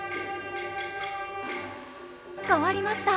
変わりました！